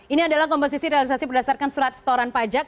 ini adalah komposisi realisasi berdasarkan surat setoran pajak